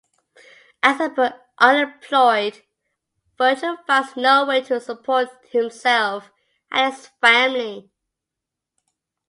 Outside but unemployed, Virgil finds no way to support himself and his family.